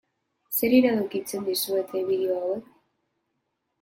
Zer iradokitzen dizuete bideo hauek?